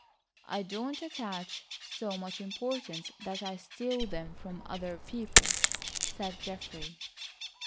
"I don't attach so much importance that I steal them from other people," said Geoffrey.